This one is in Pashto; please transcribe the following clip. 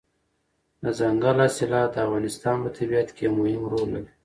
دځنګل حاصلات د افغانستان په طبیعت کې یو مهم رول لري.